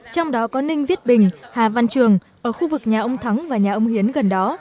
trong đó có ninh viết bình hà văn trường ở khu vực nhà ông thắng và nhà ông hiến gần đó